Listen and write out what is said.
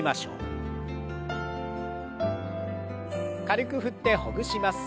軽く振ってほぐします。